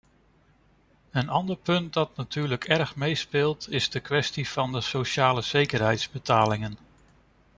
Een ander punt dat natuurlijk erg meespeelt, is de kwestie van de socialezekerheidsbetalingen.